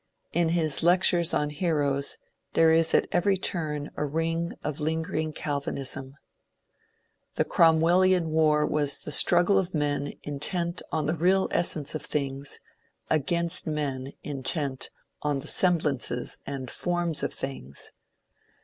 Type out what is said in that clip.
In his lectures on heroes there is at every turn a ring of lingering Calvinism. The Cromwellian war was ^^the struggle of men intent on the real essence of things against men intent on the semblances and forms of things."